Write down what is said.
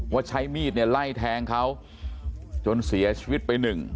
ว่าใช้มีดเนี่ยไล่แทงเขาจนเสียชีวิตไปหนึ่ง